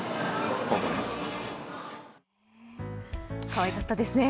かわいかったですね。